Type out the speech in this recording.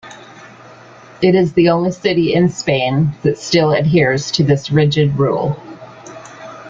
It is the only city in Spain that still adheres to this rigid rule.